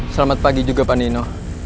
selamat pagi juga pak nino